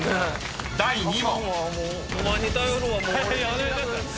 ［第２問］